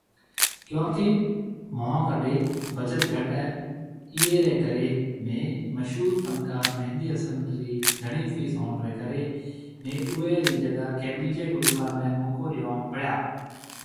ڪيونڪي مونهه ڪڍي بجٽ گھٽ هي ايئي ري ڪري ميهه مشهور فنڪار مهندي حسن رِي گھڻي فيس هوئڻ ري ڪري ميهه اوئي ري جگه ڪي ٻيجي گلوڪار ني موقعو ڏيون پڙيا۔